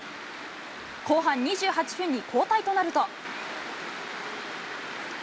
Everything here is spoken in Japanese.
後半２８分に交代となると。